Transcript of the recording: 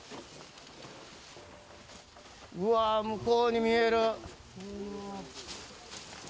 うわー、向こうに見える。